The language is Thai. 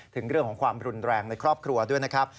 ถึงเรื่องของความรุนแรงในครอบครัวด้วยนะครับ